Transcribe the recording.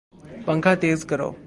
پنکھا تیز کردو